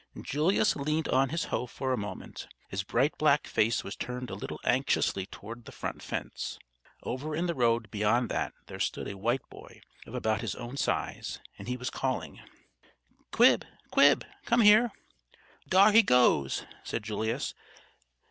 Julius leaned on his hoe for a moment. His bright black face was turned a little anxiously toward the front fence. Over in the road beyond that there stood a white boy, of about his own size, and he was calling: "Quib! Quib! Come here!" "Dar he goes!" said Julius.